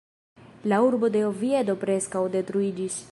La urbo de Oviedo preskaŭ detruiĝis.